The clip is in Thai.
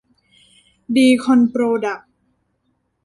ดีคอนโปรดักส์